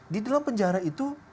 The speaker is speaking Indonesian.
di dalam penjara itu